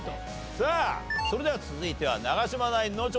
さあそれでは続いては長嶋ナインの挑戦です。